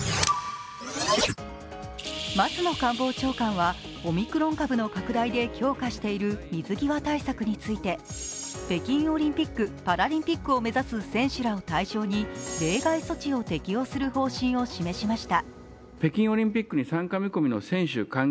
松野官房長官はオミクロン株の拡大で強化している水際対策について北京オリンピック・パラリンピックを目指す選手らを対象に、例外措置を適用する方針を示ししました。